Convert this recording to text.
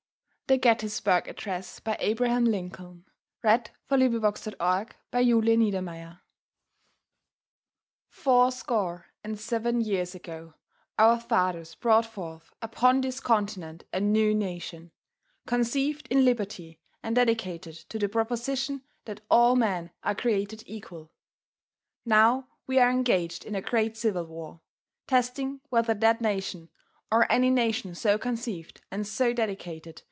burg Address, given November 19, 1863 on the battlefield near Gettysburg, Pennsylvania, USA Four score and seven years ago, our fathers brought forth upon this continent a new nation: conceived in liberty, and dedicated to the proposition that all men are created equal. Now we are engaged in a great civil war. . .testing whether that nation, or any nation so conceived and so dedicated.